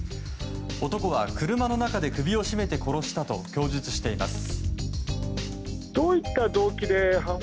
男は車の中で首を絞めて殺したと供述しています。